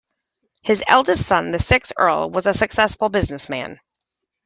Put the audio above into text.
His eldest son, the sixth Earl, was a successful businessman.